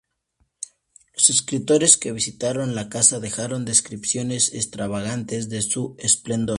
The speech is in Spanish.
Los escritores que visitaron la casa dejaron descripciones extravagantes de su esplendor.